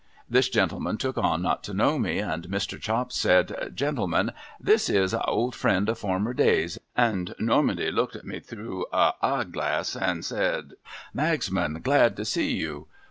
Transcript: This gent took on not to know me, and Mr. Chops said :* Gentlemen, this is a old friend of former days :' and Normandy looked at me through a eye glass, and said, ' Magsman, glad to see you